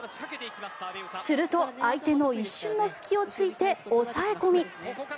すると、相手の一瞬の隙を突いて抑え込み。